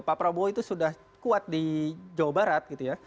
pak prabowo itu sudah kuat di jawa barat gitu ya